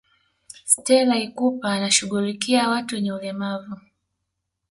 stela ikupa anashughulikia watu wenye ulemavu